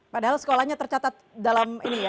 padahal sekolahnya tercatat dalam ini ya